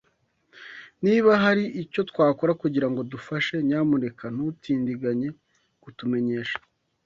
Niba hari icyo twakora kugirango dufashe, nyamuneka ntutindiganye kutumenyesha.